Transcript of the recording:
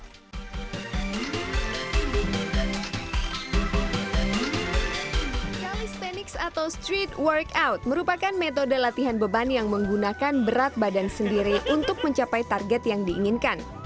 kalistanics atau street workout merupakan metode latihan beban yang menggunakan berat badan sendiri untuk mencapai target yang diinginkan